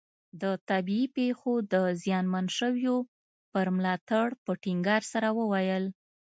د طبیعي پېښو د زیانمنو شویو پر ملاتړ په ټینګار سره وویل.